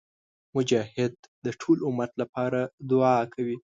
مجاهد د ټول امت لپاره دعا کوي.